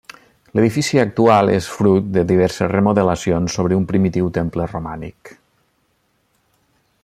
L'edifici actual és fruit de diverses remodelacions sobre un primitiu temple romànic.